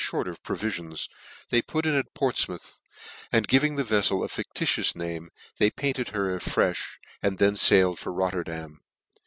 rt of provifions, they put into Portfmouth, and giving the vefiel a fictitious name, they painted her a frefh, and then failed for Rotterdam.